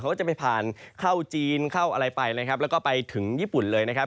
ก็จะไปผ่านเข้าจีนเข้าอะไรไปนะครับแล้วก็ไปถึงญี่ปุ่นเลยนะครับ